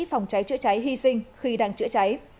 phòng cháy chữa cháy hy sinh khi đang chữa cháy